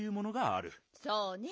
そうね。